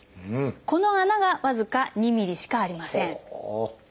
この穴が僅か２ｍｍしかありません。